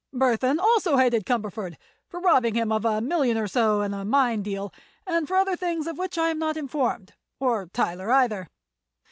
Burthon also hated Cumberford, for robbing him of a million or so in a mine deal, and for other things of which I am not informed—or Tyler, either.